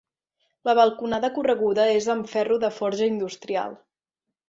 La balconada correguda és amb ferro de forja industrial.